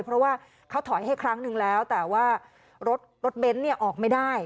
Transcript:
เพราะว่าเขาถอยให้ครั้งนึงแล้วแต่ว่ารถเบนท์เนี่ยออกไม่ได้